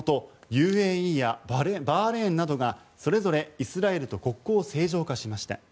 ＵＡＥやバーレーンなどがそれぞれイスラエルと国交を正常化しました。